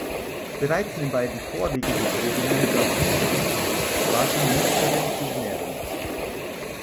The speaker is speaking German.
Bereits in den beiden vorigen Regierungen Rasmussens war sie Ministerin für Ernährung.